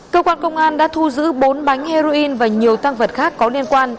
cơ quan công an đã thu giữ bốn bánh heroin và nhiều tăng vật khác có liên quan